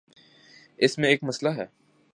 اس میں ایک مسئلہ ہے۔